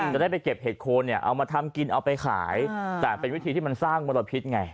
จะได้ไปเก็บเห็ดโคนเนี่ยเอามาทำกินเอาไปขายแต่เป็นวิธีที่มันสร้างมลพิษไง